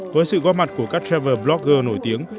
với sự góp mặt của các travel blogger nổi tiếng